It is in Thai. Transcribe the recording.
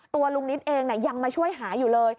ตัวลุงนิดเองยังมาช่วยหาอยู่เลย